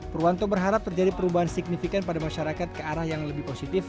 purwanto berharap terjadi perubahan signifikan pada masyarakat ke arah yang lebih positif